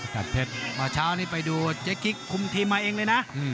เพชรมาเช้านี้ไปดูเจ๊กิ๊กคุมทีมมาเองเลยนะ